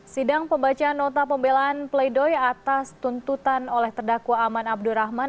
sidang pembacaan nota pembelaan pleidoy atas tuntutan oleh terdakwa aman abdurrahman